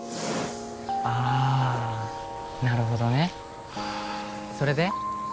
あなるほどねそれで？